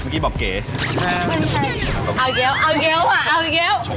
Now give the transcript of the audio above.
เมื่อกี้บอกเก๋เอาอีกแค่นึงเอาอีกแค่นึงเอาอีกแค่นึงเอาอีกแค่นึง